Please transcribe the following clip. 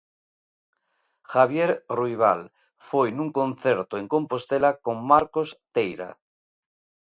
Javier Ruibal: Foi nun concerto en Compostela con Marcos Teira.